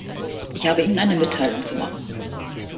Ich habe Ihnen eine Mitteilung zu machen.